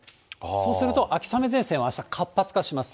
そうすると秋雨前線はあした活発化します。